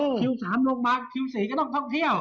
คิว๓ลงมาคิว๔ก็ต้องท่องเที่ยว